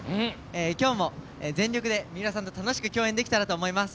今日も全力で三浦さんと楽しく共演できたらと思います。